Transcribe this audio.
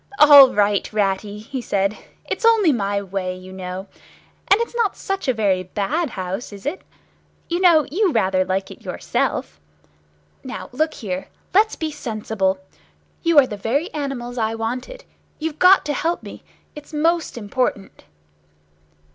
"All right, Ratty," he said. "It's only my way, you know. And it's not such a very bad house, is it? You know you rather like it yourself. Now, look here. Let's be sensible. You are the very animals I wanted. You've got to help me. It's most important!"